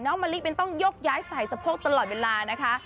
มะลิเป็นต้องยกย้ายใส่สะโพกตลอดเวลานะคะ